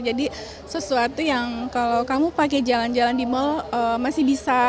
jadi sesuatu yang kalau kamu pakai jalan jalan di mal masih bisa